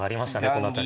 この辺り。